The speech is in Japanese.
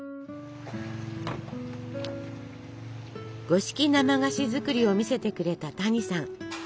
五色生菓子作りを見せてくれた谷さん。